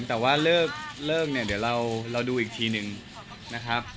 แต่ว่าเลิกเนี้ยเรารอดูอีกทีนึงนะครับ